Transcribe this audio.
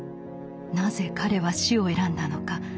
なぜ彼は死を選んだのか。